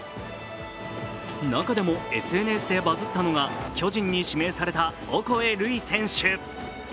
中でもＳＮＳでバズったのが巨人に指名されたオコエ瑠偉選手。